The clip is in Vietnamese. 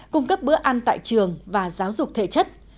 cung cấp bữa ăn tại trường và giáo dục thể chất